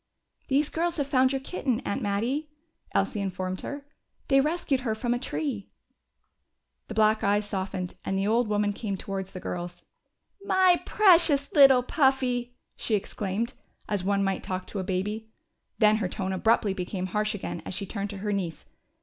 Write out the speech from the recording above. "These girls have found your kitten, Aunt Mattie," Elsie informed her. "They rescued her from a tree." The black eyes softened, and the old woman came towards the girls. "My precious little Puffy!" she exclaimed, as one might talk to a baby. Then her tone abruptly became harsh again as she turned to her niece.